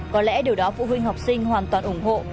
có lẽ điều đó phụ huynh học sinh hoàn toàn ủng hộ